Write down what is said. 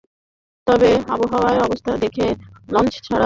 তবে আবহাওয়ার অবস্থা দেখে লঞ্চ ছাড়ার ব্যাপারে পরবর্তী সিদ্ধান্ত নেওয়া হবে।